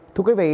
thưa quý vị